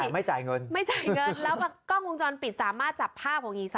มีกล้องวงจรปิดหมด